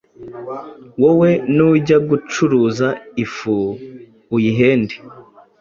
wowe nujya gucuruza ifu uyihende